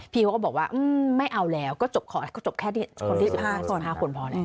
เขาก็บอกว่าไม่เอาแล้วก็จบแค่คนที่๑๕คนพอแล้ว